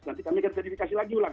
nanti kami akan verifikasi lagi ulang